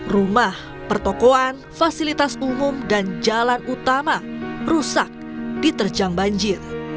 rumah pertokohan fasilitas umum dan jalan utama rusak diterjang banjir